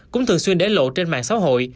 cũng thường xuyên để lộ trên mạng xã hội